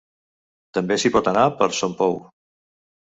També s'hi pot anar per Son Pou.